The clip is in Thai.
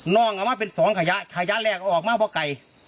่องเอามาเป็นสองขยะขยะแรกออกมาเพราะไก่